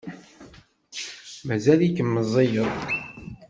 Mazal-ikem meẓẓiyeḍ.